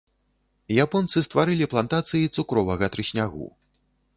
Японцы стварылі плантацыі цукровага трыснягу.